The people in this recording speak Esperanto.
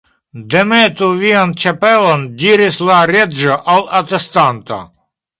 "Demetu vian ĉapelon," diris la Reĝo al la atestanto.